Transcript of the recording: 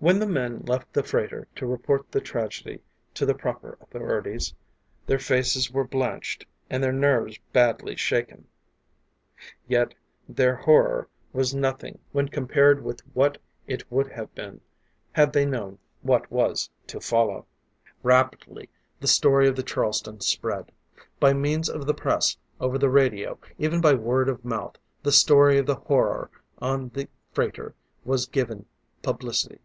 When the men left the freighter to report the tragedy to the proper authorities, their faces were blanched, and their nerves badly shaken. Yet their horror was nothing when compared with what it would have been, had they known what was to follow. Rapidly the story of the_ Charleston_ spread. By means of the press, over the radio, even by word of mouth, the story of the horror on the freighter was given publicity.